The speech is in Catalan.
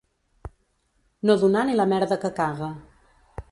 No donar ni la merda que caga.